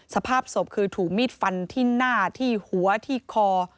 สภาพศพคือถูกมีดฟันที่หน้าที่หัวที่คอ